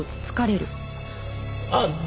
ああ。